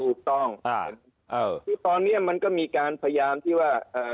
ถูกต้องอ่าคือตอนเนี้ยมันก็มีการพยายามที่ว่าอ่า